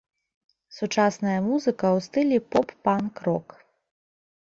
Сучасная музыка ў стылі поп-панк-рок.